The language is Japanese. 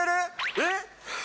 えっ？